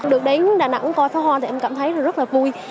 được đến đà nẵng coi pháo hoa thì em cảm thấy rất là vui